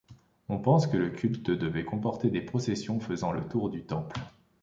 On pense que le culte devait comporter des processions faisant le tour du temple.